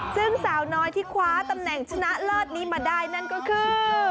ซึ่งสาวน้อยที่คว้าตำแหน่งชนะเลิศนี้มาได้นั่นก็คือ